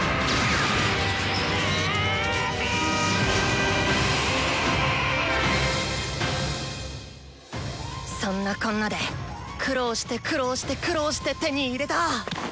心の声そんなこんなで苦労して苦労して苦労して手に入れた！